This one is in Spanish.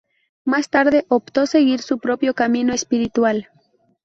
Más tarde optó seguir su propio camino espiritual.